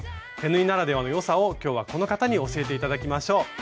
手縫いならではの良さを今日はこの方に教えて頂きましょう。